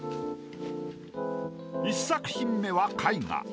［１作品目は絵画］